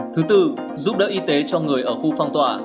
thứ tư giúp đỡ y tế cho người ở khu phong tỏa